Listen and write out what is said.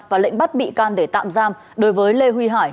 và lệnh bắt bị can để tạm giam đối với lê huy hải